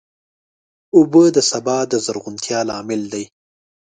اوبه د سبا د زرغونتیا لامل دي.